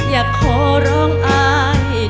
อย่าขอร้องอ้ายได้ไหม